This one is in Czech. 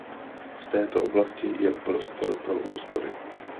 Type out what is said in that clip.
V této oblasti je prostor pro úspory.